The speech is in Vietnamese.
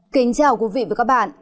kính chào quý vị và các bạn